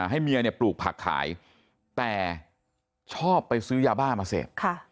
ให้เมียเนี่ยปลูกผักขายแต่ชอบไปซื้อยาบ้ามาเสพ